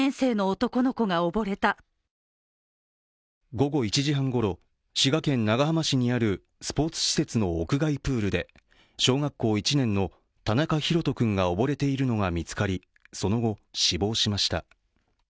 午後１時半ごろ、滋賀県長浜市にあるスポーツ施設の屋外プールで小学校１年の田中大翔君が溺れているのが見つかり、その後、死亡しました。